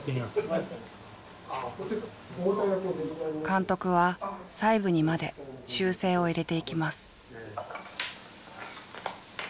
監督は細部にまで修正を入れていきます。